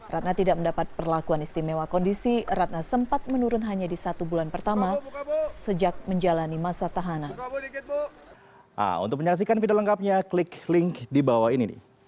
ratna tidak mendapat perlakuan istimewa kondisi ratna sempat menurun hanya di satu bulan pertama sejak menjalani masa tahanan